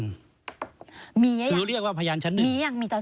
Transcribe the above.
มียังยังมียังมีตอนนี้คือเรียกว่าพยานชั้นหนึ่ง